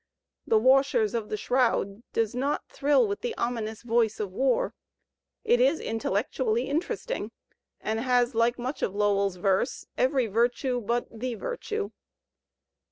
"The Wajshers of the Shroud" does not thrill with the ominous voice of War. It is intellectually interesting, and has, like much of Lowell's verse, every virtue but ike virtue.